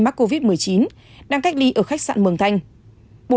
mắc covid một mươi chín đang cách ly ở khách sạn mường thanh